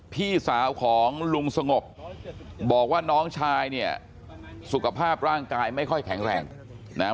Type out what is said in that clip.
พี่สาวของลุงสงบบอกว่าน้องชายเนี่ยสุขภาพร่างกายไม่ค่อยแข็งแรงนะฮะ